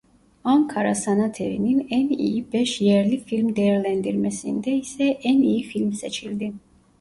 Ankara Sanatevi'nin "En İyi beş Yerli Film" değerlendirmesinde ise "En İyi Film" seçildi.